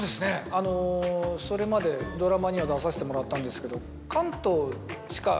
あのそれまでドラマには出させてもらったんですけど。